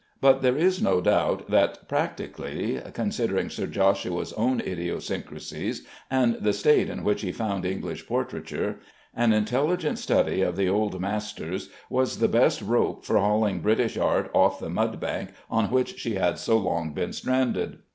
But there is no doubt that, practically (considering Sir Joshua's own idiosyncrasies and the state in which he found English portraiture), an intelligent study of the old masters was the best rope for hauling British art off the mudbank on which she had so long been stranded.